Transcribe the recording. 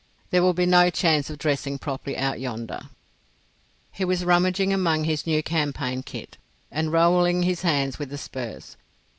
There will be no chance of dressing properly out yonder." He was rummaging among his new campaign kit, and rowelling his hands with the spurs.